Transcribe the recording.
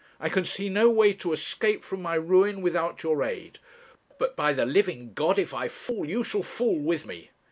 I can see no way to escape from my ruin without your aid; but by the living God, if I fall, you shall fall with me.